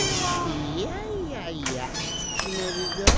いやいやいやつつめるぞい。